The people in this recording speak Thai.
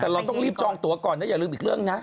แต่เราต้องรีบจองตัวก่อนนะอย่าลืมอีกเรื่องนะ